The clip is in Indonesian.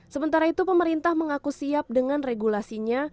sementara itu pemerintah mengaku siap dengan regulasinya